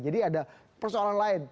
jadi ada persoalan lain